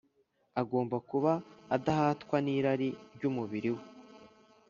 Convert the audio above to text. Agomba kuba adahatwa n’irari ry’umubiri we